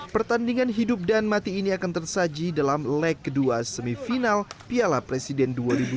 pertandingan hidup dan mati ini akan tersaji dalam leg kedua semifinal piala presiden dua ribu dua puluh